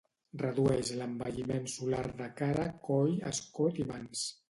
Redueix l'envelliment solar de cara, coll, escot i mans